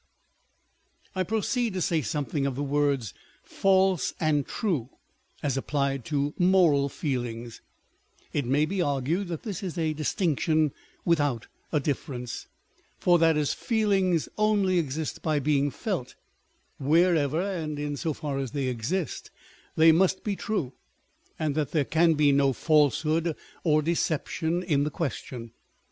I proceed to say something of the words false and true, as applied to moral feelings. It may be argued that this is a distinction without a difference ; for that as feelings only exist by being felt, wherever, and in so far as they exist, they must be true, and that there can be no false hood or deception in the question.